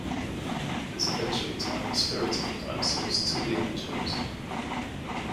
This eventually tied the spirits of the dinosaurs to the Energems.